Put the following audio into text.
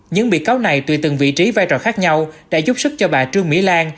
những bị cáo này tùy từng vị trí vai trò khác nhau đã giúp sức cho bà trương mỹ lan